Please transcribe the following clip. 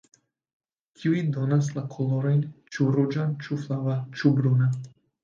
Tiuj donas la kolorojn ĉu ruĝan ĉu flava ĉu bruna.